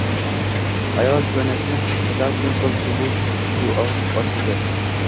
Ayol choynakni zarb bilan stol ustiga qo’yib o’shqirdi: